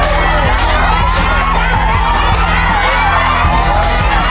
เสร็จแก้วแล้วนะ